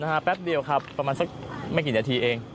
แป๊บเดียวครับประมาณสักไม่กี่นาทีเอง